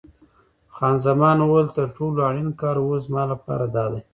خان زمان وویل: تر ټولو اړین کار اوس زما لپاره دادی.